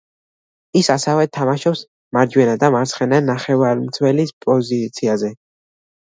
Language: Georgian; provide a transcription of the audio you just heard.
ის ასევე თამაშობს მარჯვენა და მარცხენა ნახევარმცველის პოზიციაზე.